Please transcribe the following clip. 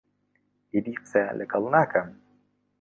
ئیدی قسەیان لەگەڵ ناکەم.